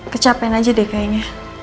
kecapean aja deh kayaknya